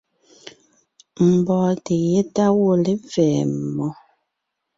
Mbɔ́ɔnte yétá gwɔ̂ lepfɛ̌ mmó.